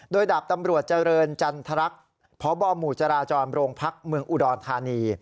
โดยดาบตำรวจเจริญจันทรรักษ์พบหมู่จราจรโรงพักเมืองอุดรธานี